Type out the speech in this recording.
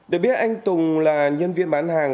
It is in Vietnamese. để biết anh tùng là nhân viên bán hàng